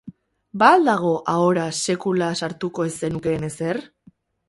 Ba al dago ahora sekula sartuko ez zenukeen ezer?